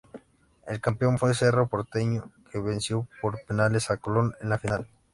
El Campeón fue Cerro Porteño, que venció por penales a Colón en la final.